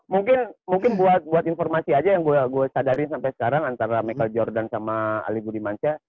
mungkin buat informasi aja yang gue sadari sampai sekarang antara michael jordan sama ali budimansyah